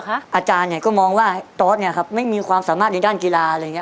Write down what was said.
อาจารย์เนี่ยก็มองว่าตอสเนี่ยครับไม่มีความสามารถในด้านกีฬาอะไรอย่างนี้